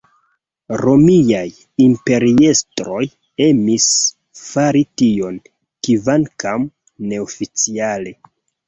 Romiaj imperiestroj emis fari tion, kvankam neoficiale.